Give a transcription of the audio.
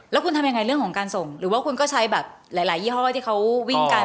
แล้วคุณทำยังไงเรื่องของการส่งหรือว่าคุณก็ใช้แบบหลายยี่ห้อที่เขาวิ่งกัน